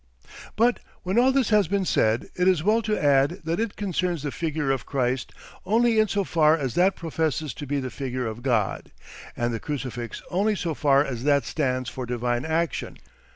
But when all this has been said, it is well to add that it concerns the figure of Christ only in so far as that professes to be the figure of God, and the crucifix only so far as that stands for divine action.